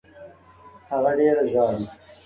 هغه ډېره ژاړي.